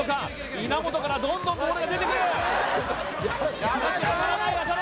稲本からどんどんボールが出てくるしかし当たらない